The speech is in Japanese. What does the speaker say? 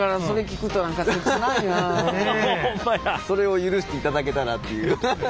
それを許していただけたらっていう。